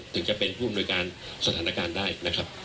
ถึงจะเป็นภูมิบริการสถานการณ์ได้นะครับ